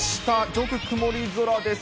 上空、曇り空です。